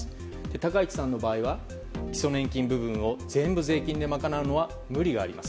高市さんの場合は基礎年金部分を全部、税金で賄うのは無理があります。